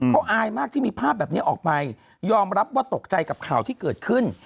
เขาอายมากที่มีภาพแบบนี้ออกไปยอมรับว่าตกใจกับข่าวที่เกิดขึ้น